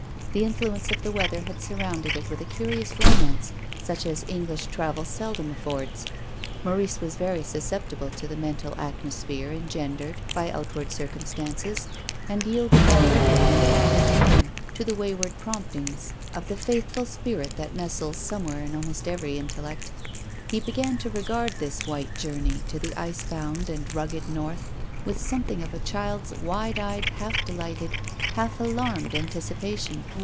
The influence of the weather had surrounded it with a curious romance such as English travel seldom af fords. Maurice was very susceptible to the men tal atmosphere engendered by outward circum stances, and yielded more readily than the average man to the wayward promptings of the faithful spirit that nestles somewhere in almost every in tellect. He began to regard this white journey to the ice bound and rugged north with something of a child's wide eyed, half delighted, half alarmed an ticipation.